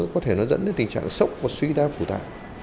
có thể dẫn đến tình trạng sốc và suy đa phụ tạ